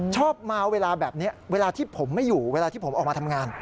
ชอบมาเวลาแบบนี้เวลาที่ผมไม่อยู่เวลาที่ผมออกมาทำงาน